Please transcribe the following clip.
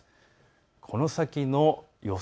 この先の予想